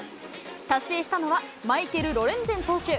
達成したのは、マイケル・ロレンゼン投手。